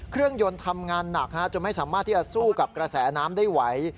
เครื่องยนต์ทำงานหนักจนไม่สามารถที่จะสู้กับกระแสน้ำได้ไหว